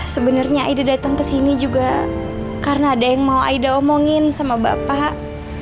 sebenarnya aida datang ke sini juga karena ada yang mau ida omongin sama bapak